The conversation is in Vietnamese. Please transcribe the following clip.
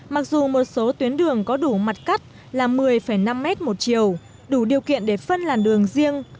mặc dù một số tuyến đường có đủ mặt cắt là một mươi năm mét một chiều đủ điều kiện để phân làn đường riêng